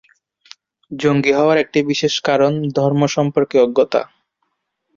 জঙ্গি হওয়ার একটি বিশেষ কারণ ধর্ম সম্পর্কে অজ্ঞতা।